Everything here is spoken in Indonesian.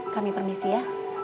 kami permisi ya